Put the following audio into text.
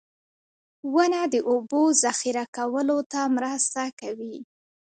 • ونه د اوبو ذخېره کولو ته مرسته کوي.